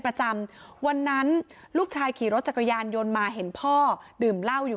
ประจำวันนั้นลูกชายขี่รถจักรยานยนต์มาเห็นพ่อดื่มเหล้าอยู่